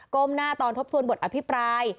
้มหน้าตอนทบทวนบทอภิปราย